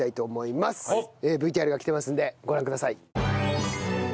ＶＴＲが来てますのでご覧ください。